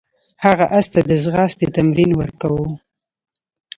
هغه اس ته د ځغاستې تمرین ورکاوه.